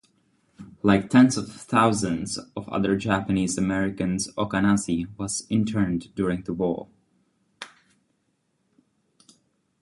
Like tens of thousands of other Japanese-Americans, Okazaki was interned during the war.